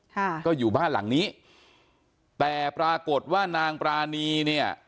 ค่ะก็อยู่บ้านหลังนี้แต่ปรากฏว่านางปรานีเนี่ย